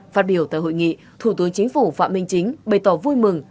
phát biểu tại hội nghị thủ tướng chính phủ phạm minh chính bày tỏ vui mừng